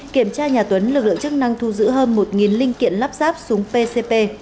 kiểm tra nhà tuấn lực lượng chức năng thu giữ hơn một linh kiện lắp ráp súng pcp